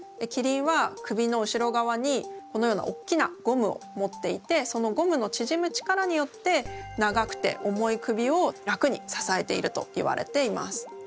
キリンは首の後ろ側にこのようなおっきなゴムを持っていてそのゴムのちぢむ力によって長くて重い首を楽にささえているといわれています。